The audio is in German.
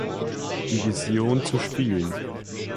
Division zu spielen.